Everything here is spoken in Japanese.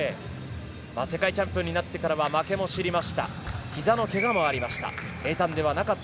世界チャンピオンになってからは負けも知りました。